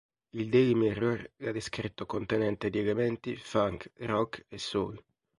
Il Daily Mirror l'ha descritto contenente di elementi funk, rock e soul.